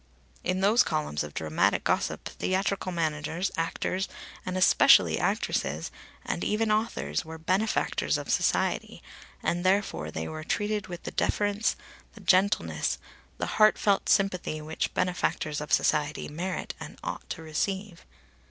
In those columns of dramatic gossip theatrical managers, actors, and especially actresses, and even authors, were benefactors of society, and therefore they were treated with the deference, the gentleness, the heartfelt sympathy which benefactors of society merit and ought to receive.